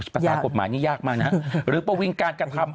ภาษากฎหมายนี่ยากมากนะฮะหรือประวิงการกระทำ